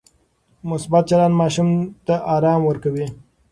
مثبت چلند ماشوم ته ارام ورکوي.